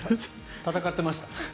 戦ってました。